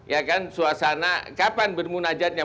ya kan suasana kapan bermunajatnya